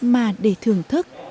mà để thưởng thức